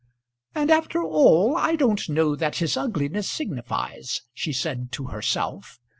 "And after all I don't know that his ugliness signifies," she said to herself.